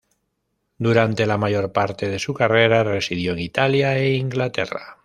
Durante la mayor parte de su carrera, residió en Italia e Inglaterra.